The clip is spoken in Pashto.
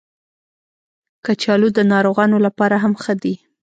کچالو د ناروغانو لپاره هم ښه دي